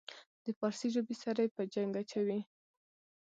د پارسي ژبې سره یې په جنګ اچوي.